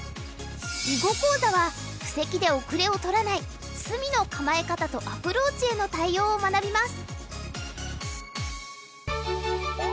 囲碁講座は布石で後れを取らない隅の構え方とアプローチへの対応を学びます。